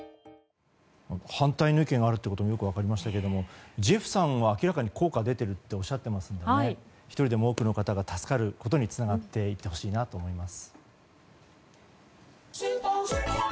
反対の意見があることがよく分かりましたけれどもジェフさんは明らかに効果が出ているとおっしゃっていますので１人でも多くの方が助かることにつながっていってほしいなと思います。